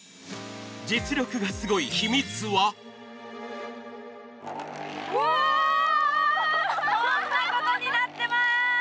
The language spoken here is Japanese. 実力がすごい秘密はこんなことになってまーす！